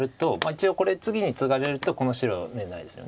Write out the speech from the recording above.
一応これ次にツガれるとこの白眼ないですよね。